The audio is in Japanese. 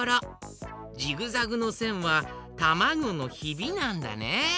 ジグザグのせんはたまごのひびなんだね。